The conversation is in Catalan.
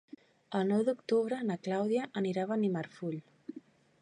El nou d'octubre na Clàudia anirà a Benimarfull.